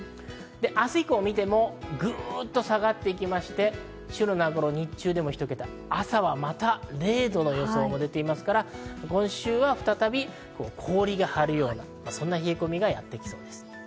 明日以降を見ても、ぐっと下がっていき、朝はまた０度の予想が出ていますから、今週は再び氷が張るような、そんな冷え込みがやってきそうです。